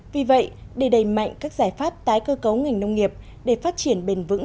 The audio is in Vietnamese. vì vậy để đẩy mạnh các giải pháp tái cơ cấu ngành nông nghiệp để phát triển bền vững